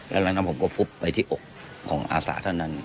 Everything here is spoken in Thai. แล้วผมก็ฟุบไปที่อกของอาสาท่านั้น